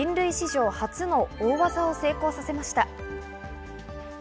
続いて、人類史上初の大技を成功させました。